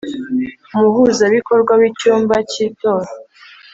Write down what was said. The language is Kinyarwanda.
umuhuzabikorwa w icyumba cy itora